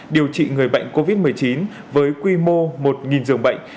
điều trị người bệnh covid một mươi chín với quy mô một giường bệnh